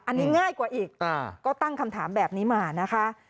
อันนี้ง่ายกว่าอีกก็ตั้งคำถามแบบนี้มานะคะ